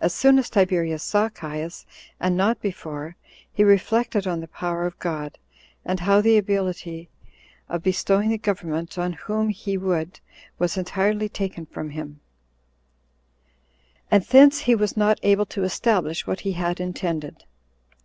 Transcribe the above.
As soon as Tiberius saw Caius, and not before, he reflected on the power of God, and how the ability of bestowing the government on whom he would was entirely taken from him; and thence he was not able to establish what he had intended.